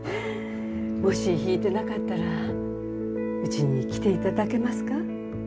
もし弾いてなかったらうちに来て頂けますか？